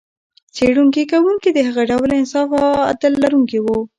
څېړنې کوونکي د هغه ډول انصاف او عدل لرونکي و.